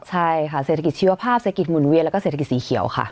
ใช่ค่ะเศรษฐกิจชีวภาพเศรษฐกิจหมุนเวียนแล้วก็เศรษฐกิจสีเขียวค่ะ